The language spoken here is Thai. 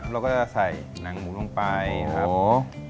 แล้วก็จะใส่หนังหมูลงไปนะครับ